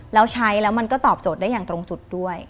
แล้วใช้แล้วมันก็ตอบโจทย์ได้อย่างตรงจุดด้วย